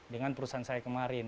dengan perusahaan saya kemarin